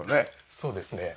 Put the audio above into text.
そうですね。